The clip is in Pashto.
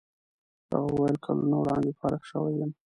هغه وویل کلونه وړاندې فارغ شوی یم.